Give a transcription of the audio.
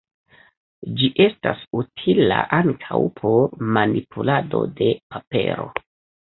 Ĝi estas utila ankaŭ por manipulado de papero.